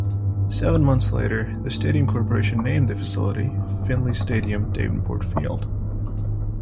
Seven months later, the Stadium Corporation named the facility Finley Stadium Davenport Field.